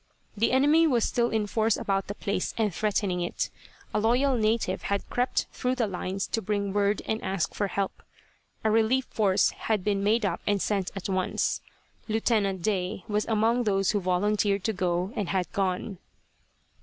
The enemy was still in force about the place and threatening it. A loyal native had crept through the lines to bring word and ask for help. A relief force had been made up and sent at once. Lieutenant Day was among those who volunteered to go, and had gone.